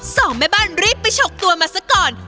สองแม่บ้านรีบไปฉกตัวมาซะก่อน